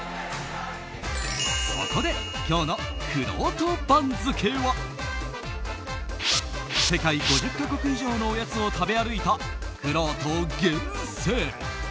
そこで、今日のくろうと番付は世界５０か国以上のおやつを食べ歩いたくろうと厳選！